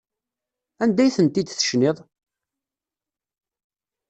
Anda ay tent-id-tecniḍ?